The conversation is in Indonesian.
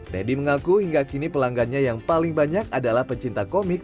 teddy mengaku hingga kini pelanggannya yang paling banyak adalah pecinta komik